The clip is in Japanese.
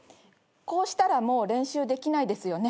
こうしたらもう練習できないですよね。